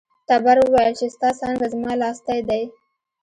تبر وویل چې ستا څانګه زما لاستی دی.